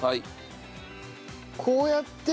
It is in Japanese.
こうやって。